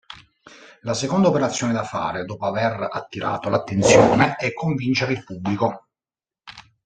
La seconda operazione da fare dopo aver attirato l'attenzione è convincere il pubblico.